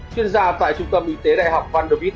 chuyên gia tại trung tâm y tế đại học panovit